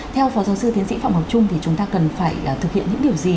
theo phó giáo sư tiến sĩ phạm ngọc trung thì chúng ta cần phải thực hiện những điều gì